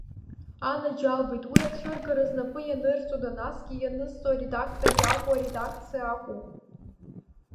Анаџьалбеит, уи ацәыргара знапы ианырҵода, насгьы ианызҵо аредақтор иакәу аредакциа акәу?